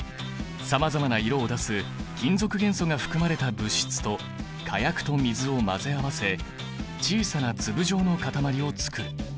さまざまな色を出す金属元素が含まれた物質と火薬と水を混ぜ合わせ小さな粒状の固まりをつくる。